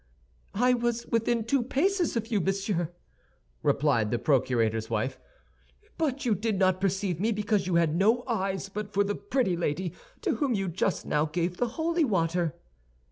"I was within two paces of you, monsieur," replied the procurator's wife; "but you did not perceive me because you had no eyes but for the pretty lady to whom you just now gave the holy water."